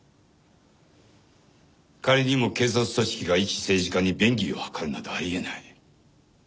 仮にも警察組織がいち政治家に便宜を図るなどあり得ない。